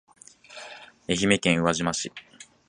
愛媛県宇和島市